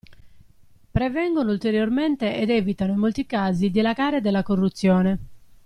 Prevengono ulteriormente ed evitano in molti casi il dilagare della corruzione.